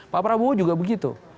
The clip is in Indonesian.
pak prabowo juga begitu